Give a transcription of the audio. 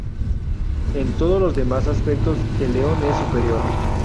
En todos los demás aspectos el león es superior".